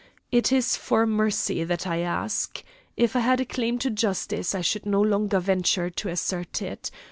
"It is for mercy that I ask. If I had a claim to justice, I should no longer venture to assert it.